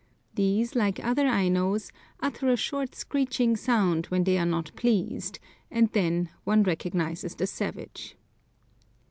These, like other Ainos, utter a short screeching sound when they are not pleased, and then one recognises the savage.